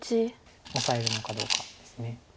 オサえるのかどうかです。